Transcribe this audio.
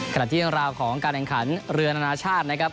ขณะที่เรื่องราวของการแข่งขันเรือนานาชาตินะครับ